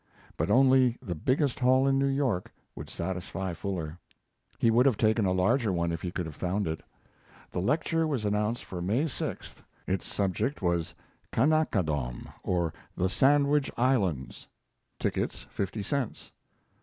But only the biggest hall in New York would satisfy Fuller. He would have taken a larger one if he could have found it. The lecture was announced for May 6th. Its subject was "Kanakadom, or the Sandwich Islands" tickets fifty cents.